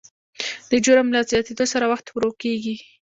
د جرم له زیاتېدو سره وخت ورو کېږي.